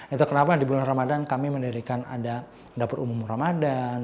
itu kenapa di bulan ramadhan kami menirikan ada dapur umum ramadhan